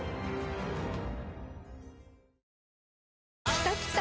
きたきた！